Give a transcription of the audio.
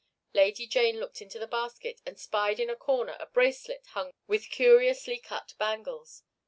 Lady Jane looked into the basket and spied in a corner a bracelet hung with curiously cut bangles.